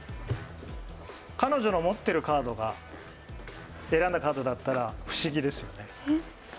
彼女の持っているカードが選んだカードだったら不思議ですよね。